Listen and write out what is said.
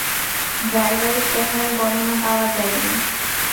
ড্রাইভারের চেহারার বর্ণনা পাওয়া যায়নি।